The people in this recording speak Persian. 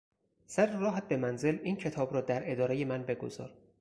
سر راهت به منزل این کتاب را در ادارهی من بگذار.